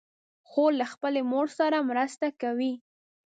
خور له خپلې مور سره مرسته کوي.